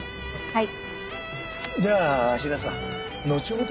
はい。